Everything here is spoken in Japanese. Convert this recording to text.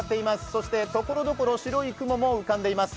そしてところどころ白い雲も浮かんでいます。